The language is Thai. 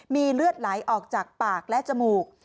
มีเลือดไหลออกจากปากและจมูก